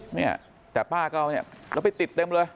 เนี่ยแต่ป้าก็เอาเนี่ยแล้วไปติดเต็มเลย